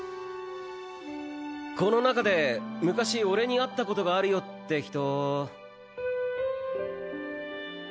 この中で昔俺に会ったことがあるよって人